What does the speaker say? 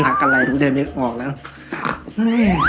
หนักอะไรรู้เดี๋ยวไม่ออกแล้ว